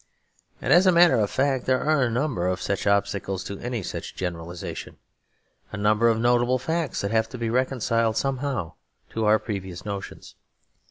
And, as a matter of fact, there are a number of such obstacles to any such generalisation; a number of notable facts that have to be reconciled somehow to our previous notions.